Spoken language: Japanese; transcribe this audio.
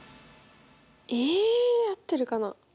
え合ってるかな。